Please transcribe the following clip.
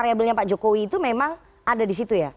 variabelnya pak jokowi itu memang ada di situ ya